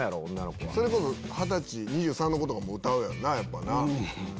二十歳２３の子とかも歌うやろなやっぱな。